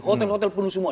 hotel hotel penuh semua